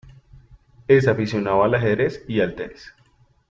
Es aficionado al ajedrez y al tenis.